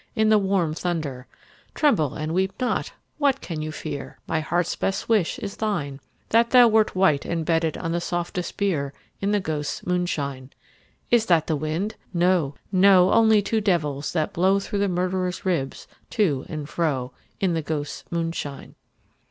In the warm thunder : (Tremble and weep not I What can you fear?) My heart's best wish is thine, — That thou wert white, and bedded On the softest bier. In the ghosts* moonshine. Is that the wind ? No, no ; Only two devils, that blow Through the murderer's ribs to and fro. In the ghosts' moonshine.